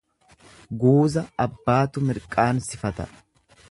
Guuza abbaatu mirqaansifata.